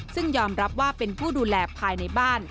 ซึ่งยอมรับว่าเป็นผู้ดูแลภายในบ้าน